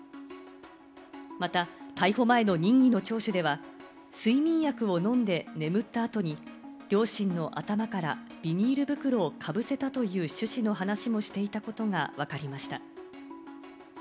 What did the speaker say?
また逮捕前の任意の聴取では、睡眠薬を飲んで眠った後に、両親の頭からビニール袋をかぶせたという趣旨の話もしていたことがわかりました。